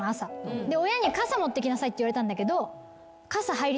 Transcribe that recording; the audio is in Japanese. で親に「傘持って行きなさい」って言われたんだけど。